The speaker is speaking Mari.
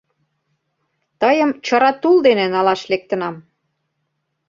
Тыйым чыра тул дене налаш лектынам!